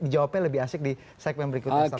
dijawabnya lebih asik di segmen berikutnya